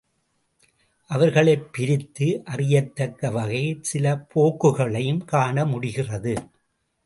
அவர்களைப் பிரித்து அறியத்தக்க வகையில் சில போக்குகளையும் காணமுடிகிறது.